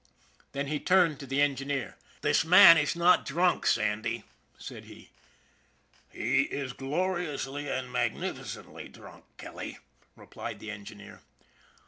Then he turned to the engineer. " The man is not drunk, Sandy," said he. " He is gloriously and magnificently drunk, Kelly," replied the engineer.